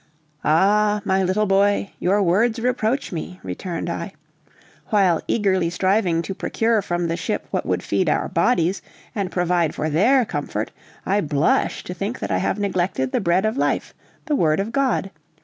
"Ah, my little boy, your words reproach me," returned I. "While eagerly striving to procure from the ship what would feed our bodies and provide for their comfort, I blush to think that I have neglected the Bread of Life, the word of God.